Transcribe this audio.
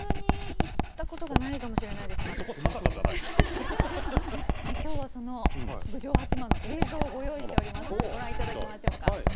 もしかしたら今日はその郡上八幡の映像をご用意しておりますのでご覧いただきましょうか。